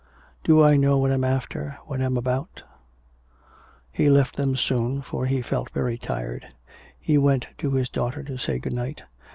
Do I know what I'm after what I'm about?" He left them soon, for he felt very tired. He went to his daughter to say good night.